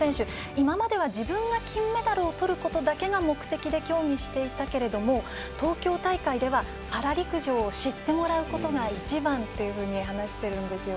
今までは自分が金メダルをとることだけを目的で競技をしていたけれども東京大会ではパラ陸上を知ってもらうことが一番というふうに話しているんです。